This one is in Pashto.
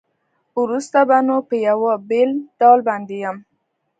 وروسته به نو په یوه بېل ډول باندې یم.